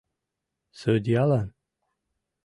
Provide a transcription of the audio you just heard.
Судьялан?..